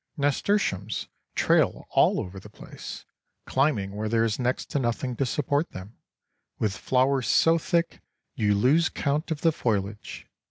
Nasturtiums trail all over the place, climbing where there is next to nothing to support them, with flowers so thick you lose count of the foliage.